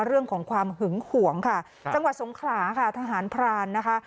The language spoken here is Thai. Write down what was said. เรื่องของความหึงห่วงค่ะจังหวัดสงขลาค่ะทหารพรานนะคะ